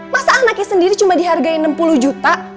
masa anaknya sendiri cuma dihargai enam puluh juta